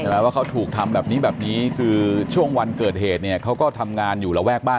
ไม่มีไม่มีไม่มีไม่มีไม่มีไม่มีไม่มีไม่มีไม่มี